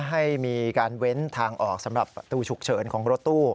ให้มีการเว้นทางออกสำหรับประตูฉุกเฉินของรถตู้